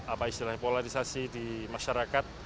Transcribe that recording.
apa istilahnya polarisasi di masyarakat